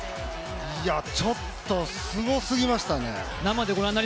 ちょっとすごすぎましたね。